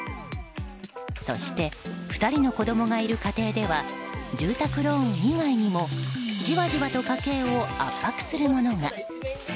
そして２人の子供がいる家庭では住宅ローン以外にもじわじわと家計を圧迫するものが。